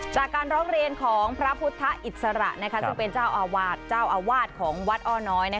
จากการร้องเรียนของพระพุทธอิสระซึ่งเป็นเจ้าอาวาสเจ้าอาวาสของวัดอ้อน้อย